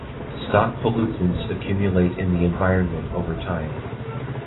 Stock pollutants accumulate in the environment over time.